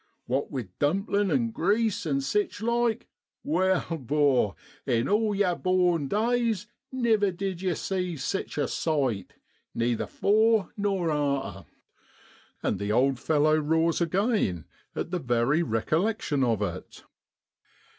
What with dumplin' and grease an' sich like, wal, bor, in all yar born days niver did ye see sich a sight, neither fore nor arter !' And the old fellow roars again at the very recollection of it.